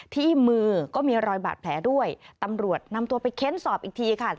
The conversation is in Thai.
ที่มือก็มีรอยบาดแผลด้วยตำรวจนำตัวไปเค้นสอบอีกทีค่ะ